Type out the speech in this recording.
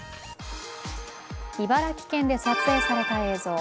茨城県で撮影された映像。